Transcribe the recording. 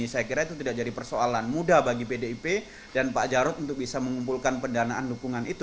saya kira itu tidak jadi persoalan mudah bagi pdip dan pak jarod untuk bisa mengumpulkan pendanaan dukungan itu